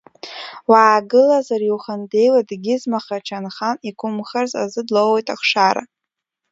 Уаагылазар иухандеиуа дегьызмаха ҷанхан иқәымхарц азы длоуеит ахшара…